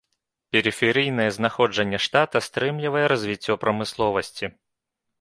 Перыферыйнае знаходжанне штата стрымлівае развіццё прамысловасці.